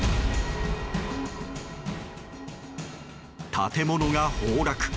建物が崩落。